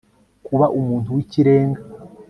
kuba umuntu w'ikirenga